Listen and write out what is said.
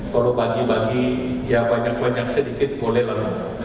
kalau bagi bagi ya banyak banyak sedikit boleh lah